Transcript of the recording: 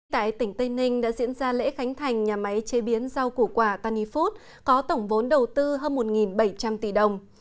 tại tỉnh tây ninh đã diễn ra lễ khánh thành nhà máy chế biến rau củ quả tanny food có tổng vốn đầu tư hơn một bảy trăm linh tỷ đồng